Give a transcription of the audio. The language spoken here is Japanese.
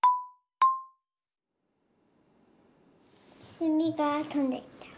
せみがとんでった。